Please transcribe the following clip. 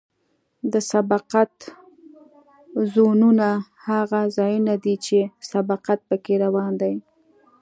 د سبقت زونونه هغه ځایونه دي چې سبقت پکې روا دی